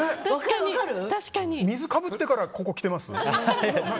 水をかぶってからここ来てます？